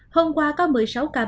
hôm qua có một mươi sáu ca bệnh